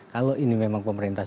kalau ini memang pemerintah